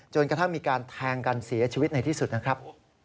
กระทั่งมีการแทงกันเสียชีวิตในที่สุดนะครับ